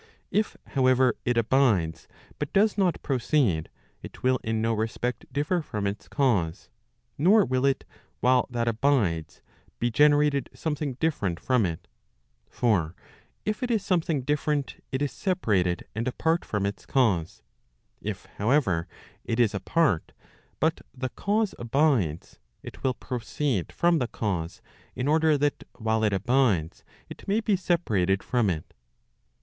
If, however, it abides, but does not proceed, it will in no respect differ from its cause, nor will it, while that abides, be generated something different from it For if it is something different it is separated and apart from its cause* If, however, it is apart, but the cause abides, it will proceed from the eause, in order that while it abides, it may be separated from it.